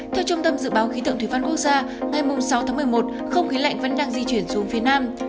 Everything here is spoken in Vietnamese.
theo trung tâm dự báo khí tượng thủy văn quốc gia ngày sáu tháng một mươi một không khí lạnh vẫn đang di chuyển xuống phía nam